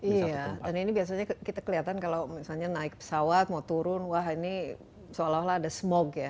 iya dan ini biasanya kita kelihatan kalau misalnya naik pesawat mau turun wah ini seolah olah ada smoke ya